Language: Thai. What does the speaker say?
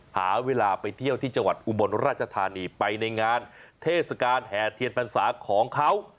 หาเวลาไปเที่ยวที่จังหวัดอุบลราชธานีไปในงานเทศกาลแห่เทียนพรรษาของเขา